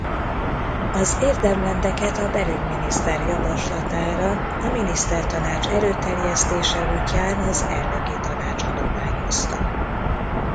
Az érdemrendeket a belügyminiszter javaslatára a Minisztertanács előterjesztése útján az Elnöki Tanács adományozta.